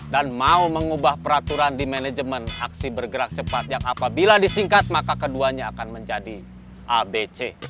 dan mau mengubah peraturan di manajemen aksi bergerak cepat yang apabila disingkat maka keduanya akan menjadi abc